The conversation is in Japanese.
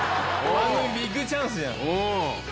番組ビッグチャンスじゃん。